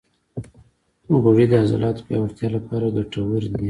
غوړې د عضلاتو پیاوړتیا لپاره ګټورې دي.